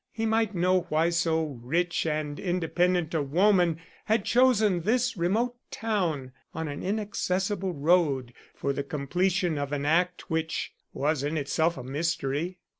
He might know why so rich and independent a woman had chosen this remote town on an inaccessible road, for the completion of an act which was in itself a mystery.